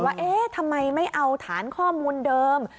ว่าเอ๊ะทำไมไม่เอาฐานข้อมูลเดิม